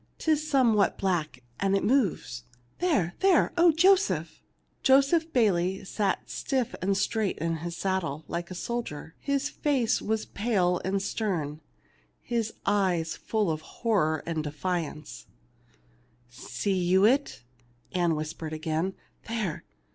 'Tis somewhat black, an' it moves. There ! there ! Oh, Joseph !" Joseph Bayley sat stiff and straight in his sad dle, like a soldier ; his face was pale and stern, his eyes full of horror and defiance, " See you it ?" Ann whispered again. " There